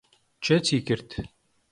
کێ چی کرد؟